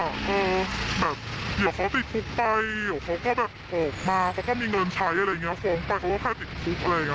ก็แบบเดี๋ยวเขาติดฟุกไปเขาก็แบบออกมาเขาก็มีเงินใช้อะไรอย่างเงี้ยคล้องไปเขาก็แค่ติดฟุกอะไรอย่างเงี้ยค่ะ